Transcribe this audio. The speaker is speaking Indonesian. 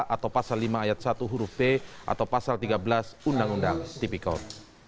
atau pasal lima ayat satu huruf p atau pasal tiga belas undang undang tipikor